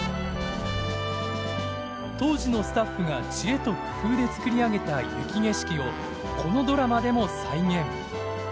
当時のスタッフが知恵と工夫で作り上げた雪景色をこのドラマでも再現。